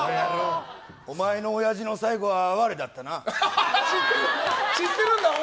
お前の親父の最期は哀れだったな。